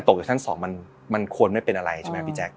อยู่ชั้น๒มันควรไม่เป็นอะไรใช่ไหมพี่แจ๊ค